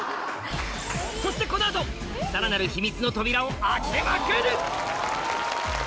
そしてこの後さらなる秘密の扉を開けまくる！